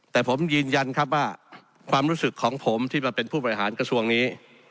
แต่ผมยืนยันครับว่าความรู้สึกของผมที่มาเป็นผู้บริหารกระทรวงนี้